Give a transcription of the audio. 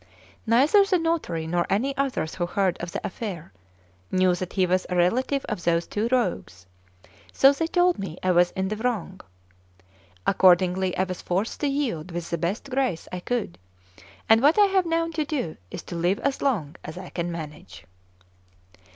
Neither the notary nor any others who heard of the affair, knew that he was a relative of those two rogues; so they told me I was in the wrong. Accordingly, I was forced to yield with the best grace I could; and what I have now to do is to live as long as I can manage.